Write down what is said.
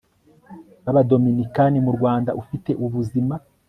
b abadominikani mu rwanda ufite ubuzima